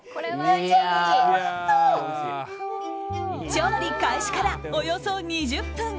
調理開始からおよそ２０分。